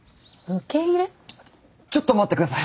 ちょっと待って下さい。